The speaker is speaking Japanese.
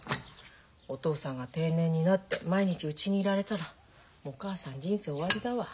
お父さんが定年になって毎日うちにいられたらお母さん人生終わりだわ。